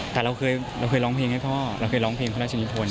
แต่เราเคยร้องเพลงให้พ่อเราเคยร้องเพลงพระราชนิพล